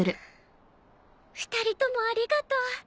２人ともありがとう。